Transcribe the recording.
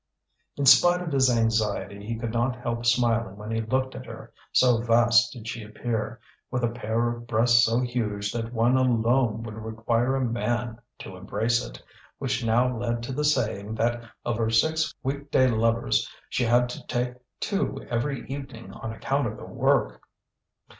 In spite of his anxiety, he could not help smiling when he looked at her, so vast did she appear, with a pair of breasts so huge that one alone would require a man to embrace it, which now led to the saying that of her six weekday lovers she had to take two every evening on account of the work.